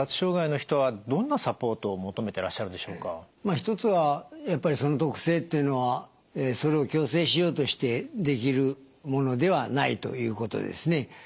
一つはやっぱり特性っていうのはそれを矯正しようとしてできるものではないということですね。